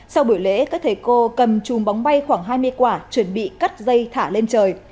sau buổi lễ các thầy cô cầm chùm bóng bay khoảng hai mươi quả chuẩn bị cắt dây thả lên trời